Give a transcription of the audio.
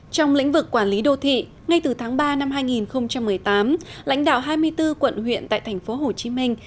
trong lĩnh vực quản lý đô thị ngay từ tháng ba năm hai nghìn một mươi tám lãnh đạo hai mươi bốn quận huyện tại thành phố hồ chí minh